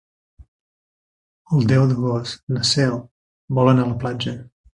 El deu d'agost na Cel vol anar a la platja.